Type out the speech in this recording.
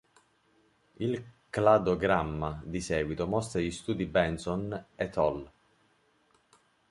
Il cladogramma di seguito mostra gli studi Benson "et al.